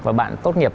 và bạn tốt nghiệp